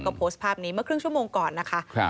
ก็โพสต์ภาพนี้เมื่อครึ่งชั่วโมงก่อนนะคะ